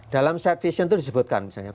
dalam side vision itu disebutkan misalnya